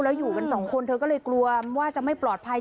แล้วอยู่กันสองคนเธอก็เลยกลัวว่าจะไม่ปลอดภัย